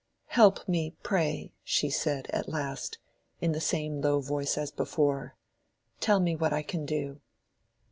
"Help me, pray," she said, at last, in the same low voice as before. "Tell me what I can do."